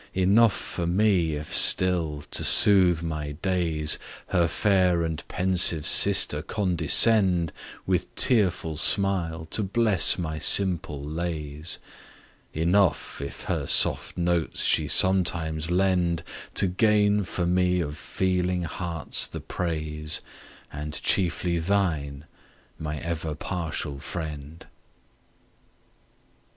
Enough for me, if still, to sooth my days, Her fair and pensive sister condescend, With tearful smile to bless my simple lays; Enough, if her soft notes she sometimes lend, To gain for me of feeling hearts the praise, And chiefly thine, my ever partial friend!